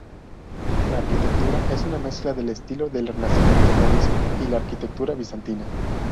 La arquitectura es una mezcla del estilo del renacimiento morisco y la arquitectura bizantina.